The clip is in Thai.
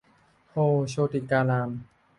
โพธิ์โชติการาม